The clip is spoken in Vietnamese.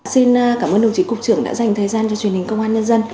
xin cảm ơn đồng chí cục trưởng đã dành thời gian cho truyền hình công an nhân dân